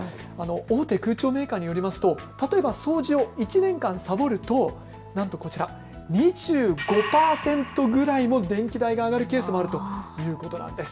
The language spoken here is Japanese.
大手空調メーカーによりますと例えば掃除を１年間さぼるとなんとこちら２５％ぐらいも電気代が上がるケースもあるということなんです。